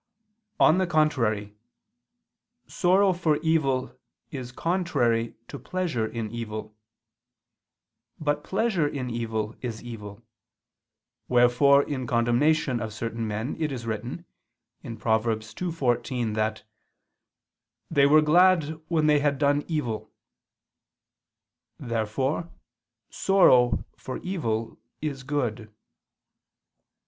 On the contrary, Sorrow for evil is contrary to pleasure in evil. But pleasure in evil is evil: wherefore in condemnation of certain men, it is written (Prov. 2:14), that "they were glad when they had done evil." Therefore sorrow for evil is good.